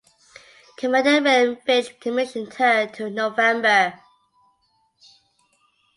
Commander William Finch commissioned her in November.